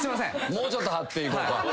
もうちょっと張っていこうか。